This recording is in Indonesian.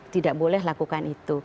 tidak boleh lakukan itu